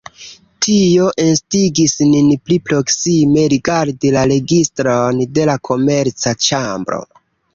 Tio instigis nin pli proksime rigardi la registron de la Komerca ĉambro.